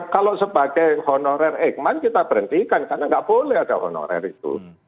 kalau sebagai honorer ekman kita berhentikan karena nggak boleh ada honorer itu